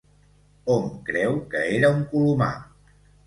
Hom creu que era un colomar.